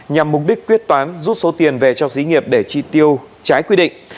nhằm mục đích quyết toán rút số tiền về cho xí nghiệp để chi tiêu trái quy định